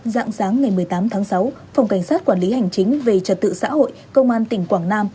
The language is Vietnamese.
dạng sáng ngày một mươi tám tháng sáu phòng cảnh sát quản lý hành chính về trật tự xã hội công an tỉnh quảng nam